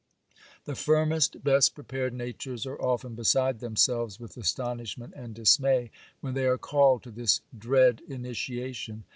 The firmest, best prepared natures are often beside themselves with astonishment and dismay, when they are called to this dread initiation.